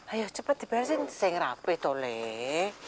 ayo cepat dibersihkan saya ngerapit oleh